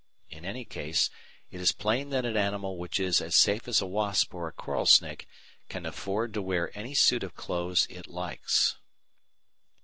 In any case it is plain that an animal which is as safe as a wasp or a coral snake can afford to wear any suit of clothes it likes.